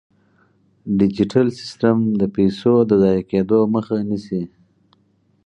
ډیجیټل سیستم د پيسو د ضایع کیدو مخه نیسي.